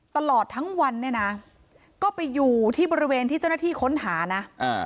ตลอดทั้งวันเนี่ยนะก็ไปอยู่ที่บริเวณที่เจ้าหน้าที่ค้นหานะ